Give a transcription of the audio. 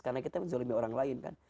karena kita menzolimi orang lain kan